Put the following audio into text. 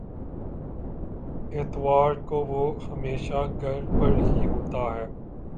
اتوار کو وہ ہمیشہ گھر پر ہی ہوتا ہے۔